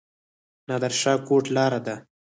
نادر شاه کوټ لاره ده؟